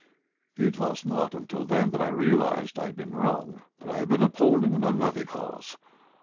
It was not until then that I realized that I had been wrong, that I had been upholding an unworthy cause.